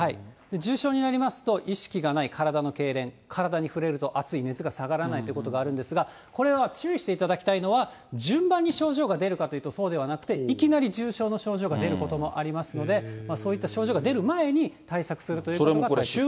重症になりますと、意識がない、体のけいれん、体に触れると熱い、熱が下がらないということがあるんですが、これは注意していただきたいのは、順番に症状が出るかというとそうではなくて、いきなり重症の症状が出ることもありますので、そういった症状が出る前に、対策するということが大切ですね。